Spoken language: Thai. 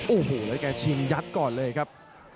โอ้โหแล้วแกชิงยัดก่อนเลยครับ